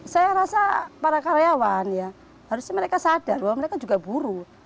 saya rasa para karyawan ya harusnya mereka sadar bahwa mereka juga buru